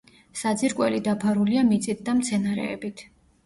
საძირკველი დაფარულია მიწით და მცენარეებით.